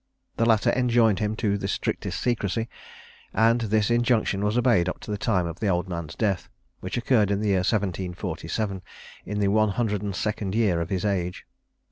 The latter enjoined him to the strictest secrecy; and this injunction was obeyed up to the time of the old man's death, which occurred in the year 1747, in the 102nd year of his age.